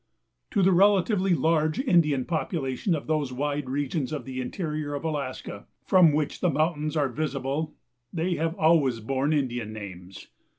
To the relatively large Indian population of those wide regions of the interior of Alaska from which the mountains are visible they have always borne Indian names.